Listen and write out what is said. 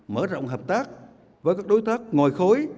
mở rộng hợp tác với các đối tác ngoài khối